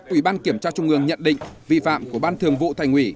ủy ban kiểm tra trung ương nhận định vi phạm của ban thường vụ thành ủy